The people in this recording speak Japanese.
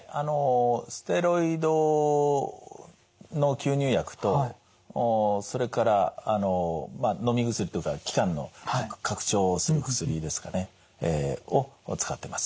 ステロイドの吸入薬とそれからのみ薬というか気管の拡張をする薬ですかねを使ってます。